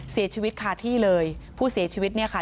เสียชีวิตคาที่เลยผู้เสียชีวิตเนี่ยค่ะ